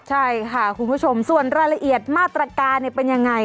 ใช่ค่ะคุณผู้ชมส่วนรายละเอียดมาตรการเป็นยังไง